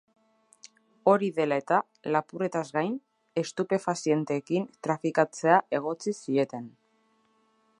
Hori dela eta, lapurretaz gain, estupefazienteekin trafikatzea egotzi zieten.